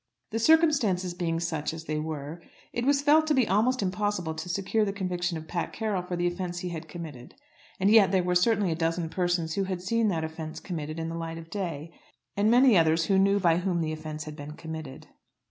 The circumstances being such as they were, it was felt to be almost impossible to secure the conviction of Pat Carroll for the offence he had committed. And yet there were certainly a dozen persons who had seen that offence committed in the light of day, and many other dozens who knew by whom the offence had been committed.